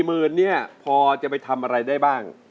วันนี้พอจะไปทำอะไรได้บ้าง